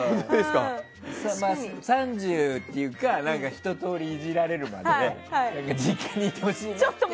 ３０っていうかひととおりイジられるまで実家にいてほしいなって。